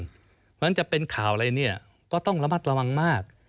เพราะฉะนั้นจะเป็นข่าวอะไรเนี่ยก็ต้องระมัดระวังมาก